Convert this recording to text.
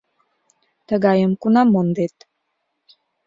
— Тыгайым кунам мондет?